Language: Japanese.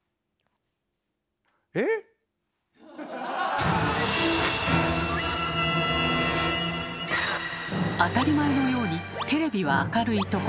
えっ⁉当たり前のようにテレビは明るい所